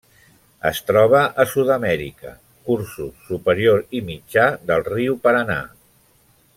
Es troba a Sud-amèrica: cursos superior i mitjà del riu Paranà.